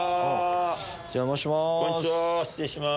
お邪魔します。